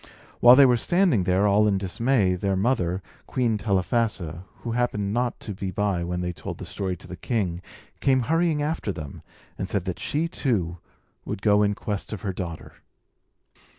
While they were standing there, all in dismay, their mother, Queen Telephassa (who happened not to be by when they told the story to the king), came hurrying after them, and said that she, too, would go in quest of her daughter.